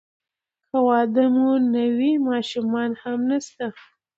که واده مو نه وي ماشومان هم نشته.